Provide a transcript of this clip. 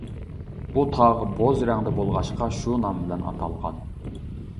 بۇ تاغ بوز رەڭدە بولغاچقا شۇ نام بىلەن ئاتالغان.